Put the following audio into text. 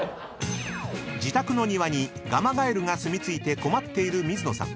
［自宅の庭にガマガエルがすみ着いて困っている水野さん］